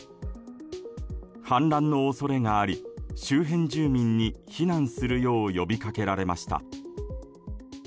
氾濫の恐れがあり、周辺住民に避難するよう呼びかけられました。